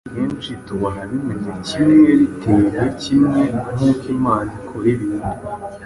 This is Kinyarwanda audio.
Akenshi tubona bimeze kimwe, biteye kimwe n’uko Imana ikora ibintu,